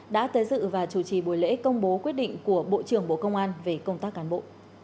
đã tới dự và chủ trì buổi lễ công bố quyết định của bộ trưởng bộ công an về công tác cán bộ